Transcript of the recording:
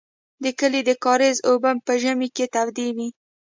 د کلي د کاریز اوبه په ژمي کې تودې وې.